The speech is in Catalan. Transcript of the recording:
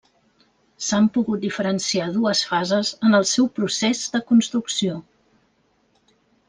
S'han pogut diferenciar dues fases en el seu procés de construcció.